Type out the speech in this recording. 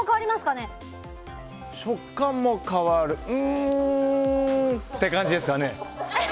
食感も変わる。